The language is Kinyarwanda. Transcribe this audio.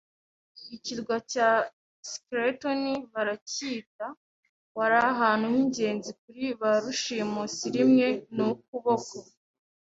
Ikirwa cya Skeleton baracyita. Wari ahantu h'ingenzi kuri ba rushimusi rimwe, n'ukuboko